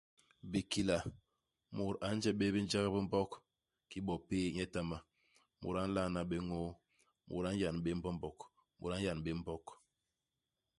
Bikila. Mut a nje bé bijek bi Mbog kiki bo péé nyetama ; mut a nlalna bé ñôô ; mut a n'yan bé Mbombog ; mut a n'yan bé Mbog ;